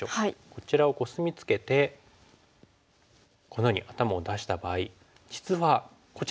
こちらをコスミツケてこのように頭を出した場合実はこちらも高いですよね。